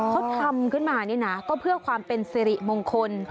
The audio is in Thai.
เขาทำขึ้นมานี่นะก็เพื่อความเป็นสิริมงคล